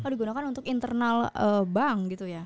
kalau digunakan untuk internal bank gitu ya